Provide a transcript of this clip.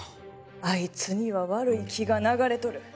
あいつには悪い気が流れとる。